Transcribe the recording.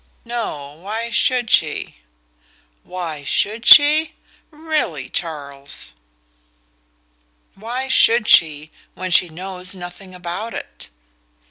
"No why should she?" "Why SHOULD she? Really, Charles !" "Why should she, when she knows nothing about it?"